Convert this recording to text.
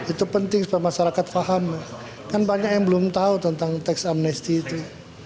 itu penting supaya masyarakat paham kan banyak yang belum tahu tentang teks amnesti itu